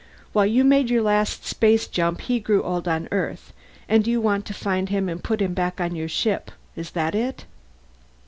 While you made your last space jump he grew old on Earth. And you want to find him and put him back on your ship, is that it?"